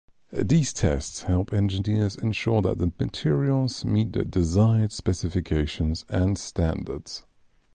These tests help engineers ensure that the materials meet the desired specifications and standards.